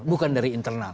bukan dari internal